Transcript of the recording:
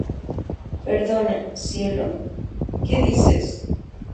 ¿ Perdona, cielo? ¿ qué dices?